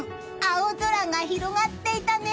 青空が広がっていたね！